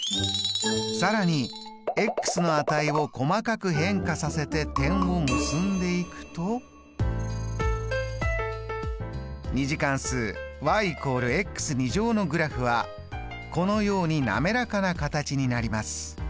更にの値を細かく変化させて点を結んでいくと２次関数＝のグラフはこのように滑らかな形になります。